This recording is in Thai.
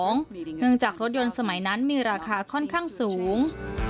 เนื่องจากรถยนต์สมัยนั้นมีราคาค่อนข้างสูง